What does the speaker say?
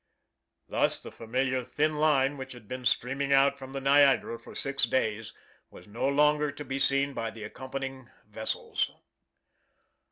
Thus the familiar thin line which had been streaming out from the Niagara for six days was no longer to be seen by the accompanying vessels.